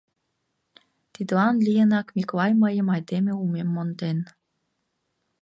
Тидлан лийынак Миклай мыйын айдеме улмем монден.